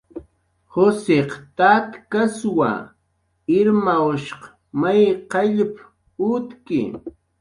"Jushiq tatkaswa, Irmawshq may qayllp"" utki"